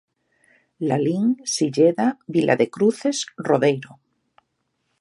Lalín, Silleda, Vila de Cruces, Rodeiro.